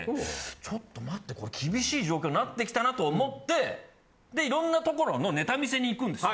ちょっと待ってこれ厳しい状況になってきたなと思ってでいろんな所のネタ見せに行くんですよ。